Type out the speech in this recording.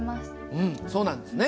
うんそうなんですね。